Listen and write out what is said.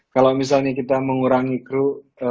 kalau misalnya kita mengurangi kru